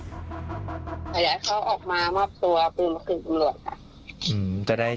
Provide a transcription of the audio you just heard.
จะให้เขาออกมามอบตัวปรุงคุณบริษัท